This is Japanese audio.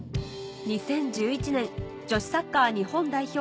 ２０１１年女子サッカー日本代表